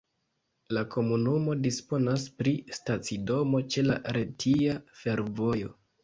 La komunumo disponas pri stacidomo ĉe la Retia Fervojo.